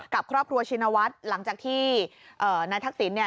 กับครอบครัวชินวัฒน์หลังจากที่นายทักษิณเนี่ย